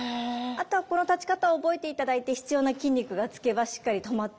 あとはこの立ち方を覚えて頂いて必要な筋肉がつけばしっかり止まってくるので。